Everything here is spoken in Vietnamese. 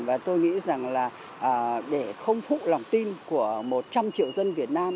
và tôi nghĩ rằng là để không phụ lòng tin của một trăm linh triệu dân việt nam